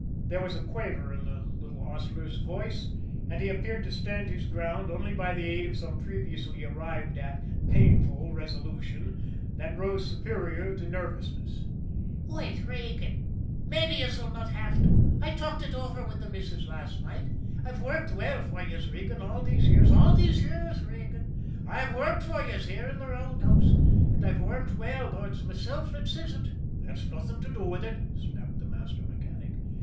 There was a quaver in the little hostler's voice, and he appeared to stand his ground only by the aid of some previously arrived at, painful resolution that rose superior to his nervousness. "Wait, Regan mabbe yez'll not have to. I talked ut over wid the missus last night. I've worked well for yez, Regan, all these years all these years, Regan, I've worked for yez here in the roun'house an' I've worked well, though ut's mesilf that ses ut." "That's nothing to do with it," snapped the master mechanic.